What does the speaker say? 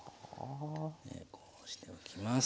こうして置きます。